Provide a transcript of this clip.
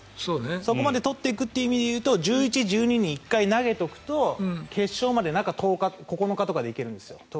そこまで取っておくという意味でいうと１１日、１２日に１回投げておくと決勝まで中１０日とか中９日で行けるんですよ。